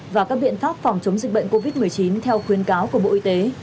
và các biện pháp phòng chống dịch bệnh covid một mươi chín theo khuyến cáo của bộ y tế